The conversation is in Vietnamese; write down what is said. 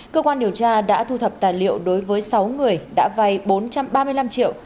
cơ quan điều tra đã thu thập tài liệu đối với sáu người đã vay bốn trăm ba mươi năm triệu